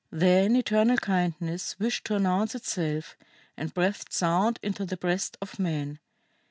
"Then eternal Kindness wished to announce itself, and breathed Sound into the breast of Man!